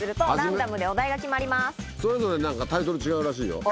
それぞれ何かタイトル違うらしいよ。